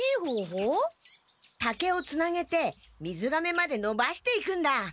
竹をつなげてみずがめまでのばしていくんだ。